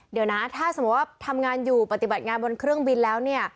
เดี๋ยวนะถ้าสมมุติว่าทำงานอยู่ปฏิบัติงานบนเครื่องบินแล้วเนี่ย